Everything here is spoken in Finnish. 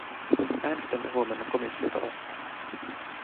Äänestämme huomenna komissiota vastaan.